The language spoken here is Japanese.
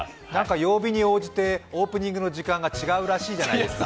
曜日に応じてオープニングの時間が違うらしいじゃないですか。